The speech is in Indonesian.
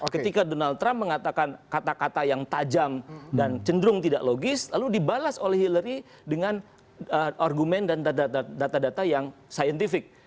ketika donald trump mengatakan kata kata yang tajam dan cenderung tidak logis lalu dibalas oleh hillary dengan argumen dan data data yang scientific